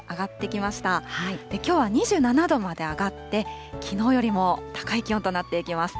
きょうは２７度まで上がって、きのうよりも高い気温となっていきます。